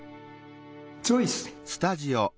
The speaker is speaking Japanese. チョイス！